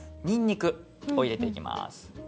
にんにくを入れていきます。